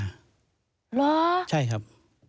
เหรอใช่ครับ